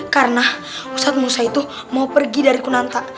karena ustadz musa itu mau pergi dari kunanta